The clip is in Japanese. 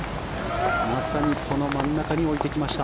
まさにその真ん中に置いてきました。